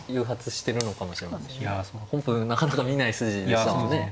本譜なかなか見ない筋でしたもんね。